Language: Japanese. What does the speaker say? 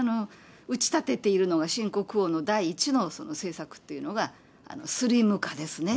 打ち立てているのが、新国王の第一の政策っていうのが、スリム化ですね。